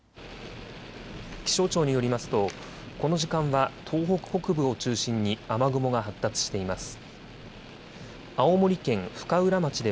気象庁によりますとこの時間は東北北部を中心に雨雲が発達しています。